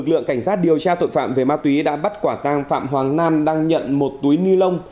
lực lượng cảnh sát điều tra tội phạm về ma túy đã bắt quả tang phạm hoàng nam đang nhận một túi ni lông